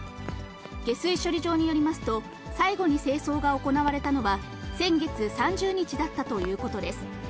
下水処理場によりますと、最後に清掃が行われたのは先月３０日だったということです。